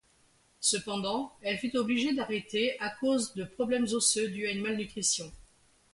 Cependant, elle fut obligée d'arrêter à cause de problèmes osseux dus à une malnutrition.